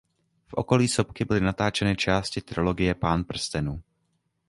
V okolí sopky byly natáčeny části trilogie Pán prstenů.